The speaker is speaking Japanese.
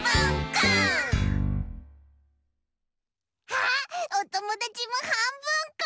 あっおともだちもはんぶんこ！